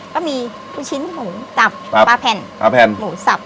ก็มีผู้ชิ้นหมูตับปลาแพนหมูสับ